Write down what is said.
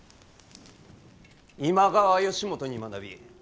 今川義元に学び。